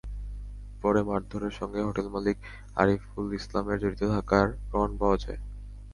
পরে মারধরের সঙ্গে হোটেলমালিক আরিফুল ইসলামের জড়িত থাকার প্রমাণ পাওয়া যায়।